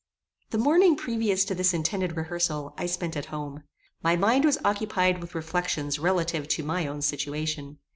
The morning previous to this intended rehearsal, I spent at home. My mind was occupied with reflections relative to my own situation.